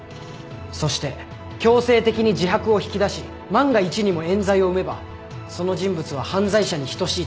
そして強制的に自白を引き出し万が一にも冤罪を生めばその人物は犯罪者に等しい立場になります。